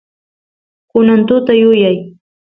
kunan tuta yuyay